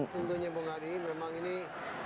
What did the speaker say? jadi gini mbak rosyidul